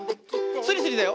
スリスリだよ。